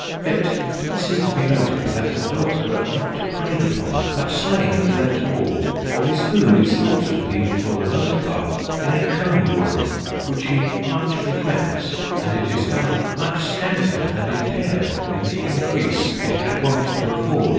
Yet this is to be noted, that the dogs were not prayed upon, but slaine and left whole: for his food is thought to be, for the most part, in a conie warren, which he much frequents; and it is found much scanted and impaired in the encrease it had woont to afford.